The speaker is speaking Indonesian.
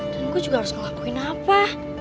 dan gue juga harus ngelakuin apa